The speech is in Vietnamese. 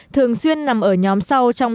thường xuyên nằm trong những lĩnh vực tỉnh hòa bình